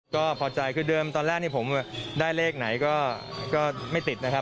ก็พอใจคือเดิมตอนแรกผมได้เลขไหนก็ไม่ติดนะครับ